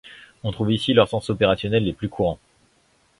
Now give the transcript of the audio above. On trouve ici leur sens opérationnels les plus courants.